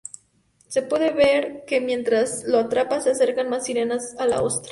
Se puede ver que mientras lo atrapa se acercan más sirenas a la ostra.